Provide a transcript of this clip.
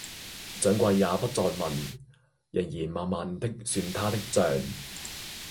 掌櫃也不再問，仍然慢慢的算他的賬